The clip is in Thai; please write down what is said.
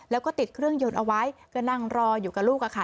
แล้วก็ติดเครื่องยนต์เอาไว้ก็นั่งรออยู่กับลูกอะค่ะ